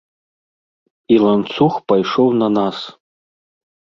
І ланцуг пайшоў на нас.